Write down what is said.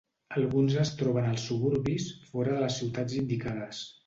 Alguns es troben als suburbis fora de les ciutats indicades.